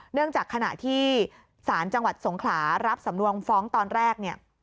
เนื่องจากขณะที่ศาลจังหวัดสงขลารับสำนวนฟ้องตอนแรกเนี่ย